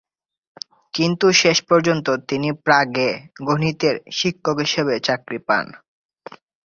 কিন্তু শেষ পর্যন্ত তিনি প্রাগে গণিতের শিক্ষক হিসেবে চাকরি পান।